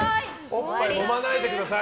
おっぱいもまないでください。